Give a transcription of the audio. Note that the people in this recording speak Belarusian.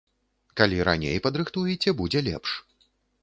Калі раней падрыхтуеце, будзе лепш.